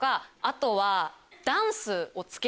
あとは。